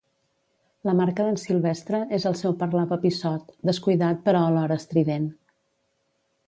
La marca d'en Silvestre és el seu parlar papissot, descuidat però alhora estrident.